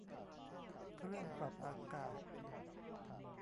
เครื่องปรับอากาศ